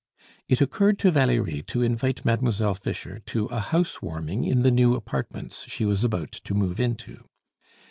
It occurred to Valerie to invite Mademoiselle Fischer to a house warming in the new apartments she was about to move into.